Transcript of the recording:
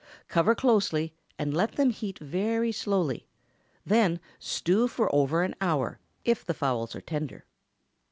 Cover closely, and let them heat very slowly; then stew for over an hour, if the fowls are tender.